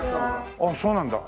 ああそうなんだ。